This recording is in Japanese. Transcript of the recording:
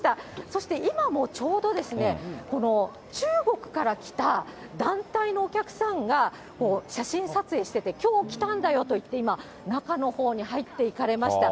そして今もちょうどですね、この中国から来た団体のお客さんが写真撮影してて、きょう来たんだよと言って、今、中のほうに入っていかれました。